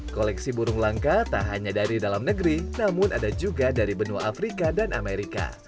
koleksi burung langka tak hanya dari dalam negeri namun ada juga dari benua afrika dan amerika